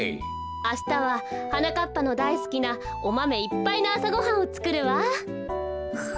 あしたははなかっぱのだいすきなおマメいっぱいのあさごはんをつくるわ。